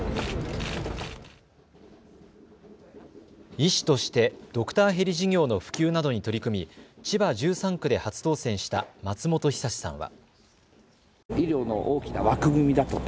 医師としてドクターヘリ事業の普及などに取り組み千葉１３区で初当選した松本尚さんは。